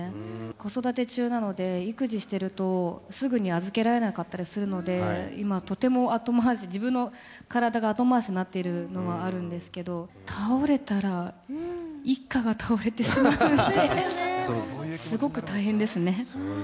子育て中なので、育児してるとすぐに預けられなかったりするので、今、とても後回し、自分の体が後回しになってるのはあるんですけど、倒れたら、一家が倒れてしまうので、すごく大変ですね。